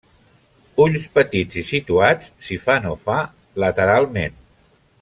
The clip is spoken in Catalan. Ulls petits i situats, si fa no fa, lateralment.